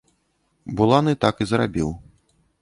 Буланы так і зрабіў.